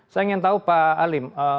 saya ingin tahu pak alim